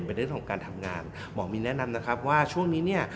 เป็นเรื่องของการทำงานหมอมีนแนะนำนะครับว่าช่วงนี้เนี่ย